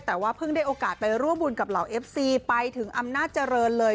แต่ว่าเพิ่งได้โอกาสไปร่วมบุญกับเหล่าเอฟซีไปถึงอำนาจเจริญเลย